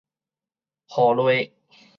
雨笠